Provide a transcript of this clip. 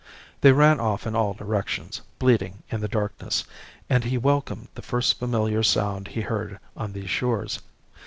They ran off in all directions, bleating in the darkness, and he welcomed the first familiar sound he heard on these shores.